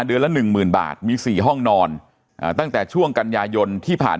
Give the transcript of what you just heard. เดือนละ๑หมื่นบาทมี๔ห้องนอนตั้งแต่ช่วงกันยายนต์ที่ผ่าน